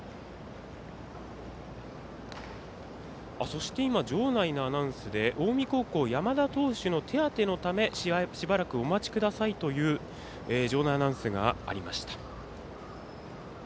そして、今場内アナウンスで近江高校、山田投手手当てのためしばらくお待ちくださいという場内アナウンスがありました。